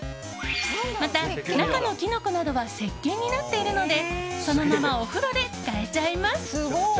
また、中のキノコなどはせっけんになっているのでそのままお風呂で使えちゃいます。